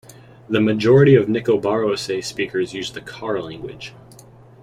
The majority of Nicobarese speakers use the Car language.